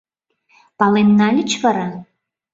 Пален нальыч вара?